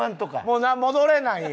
もう戻れないんや？